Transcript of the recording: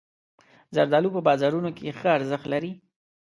زردالو په بازارونو کې ښه ارزښت لري.